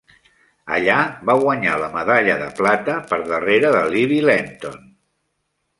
Allà va guanyar la medalla de plata, per darrere de Libby Lenton.